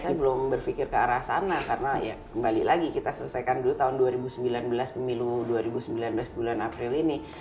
saya belum berpikir ke arah sana karena ya kembali lagi kita selesaikan dulu tahun dua ribu sembilan belas pemilu dua ribu sembilan belas bulan april ini